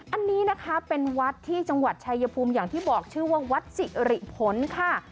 อันนี้นะคะเป็นวัดที่จังหวัดชายภูมิอย่างที่บอกชื่อว่าวัดสิริผลค่ะ